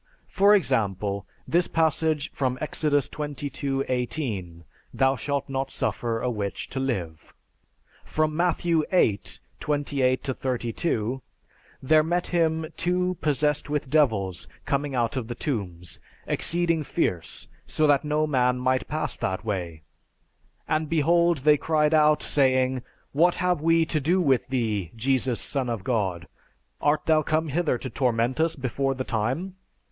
For example, this passage from Exodus XXII 18, "Thou shalt not suffer a witch to live." From Matthew VIII 28 32, "There met him two possessed with devils coming out of the tombs, exceeding fierce, so that no man might pass by that way. And, behold, they cried out, saying, 'What have we to do with thee, Jesus, Son of God? Art thou come hither to torment us before the time?'